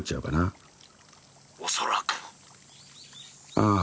ああ